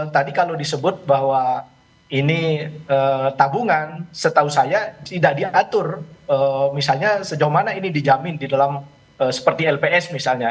tadi kalau disebut bahwa ini tabungan setahu saya tidak diatur misalnya sejauh mana ini dijamin di dalam seperti lps misalnya